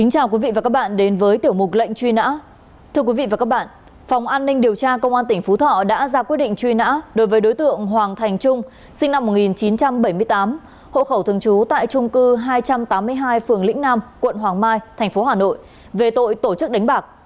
hãy đăng ký kênh để ủng hộ kênh của chúng mình nhé